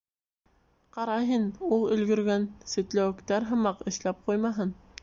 Ҡара һин, ул өлгөргән сәтләүектәр һымаҡ эшләп ҡуймаһын.